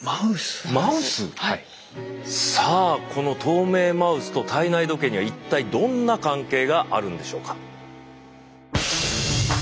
マウス⁉さあこの透明マウスと体内時計には一体どんな関係があるんでしょうか。